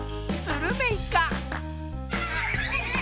スルメイカ。